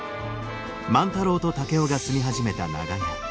万太郎と竹雄が住み始めた長屋。